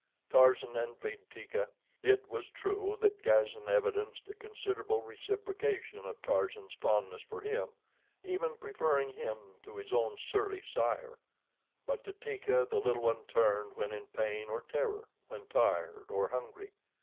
Tarzan envied Teeka. It was true that Gazan evidenced a considerable reciprocation of Tarzan's fondness for him, even preferring him to his own surly sire; but to Teeka the little one turned when in pain or terror, when tired or hungry.